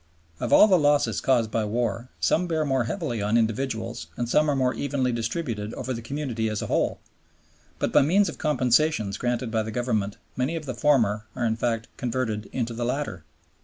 Of all the losses caused by war some bear more heavily on individuals and some are more evenly distributed over the community as a whole; but by means of compensations granted by the Government many of the former are in fact converted into the latter.